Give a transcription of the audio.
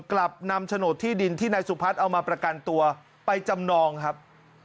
กลับนำโฉนดที่ดินที่นายสุพัฒน์เอามาประกันตัวไปจำนองครับ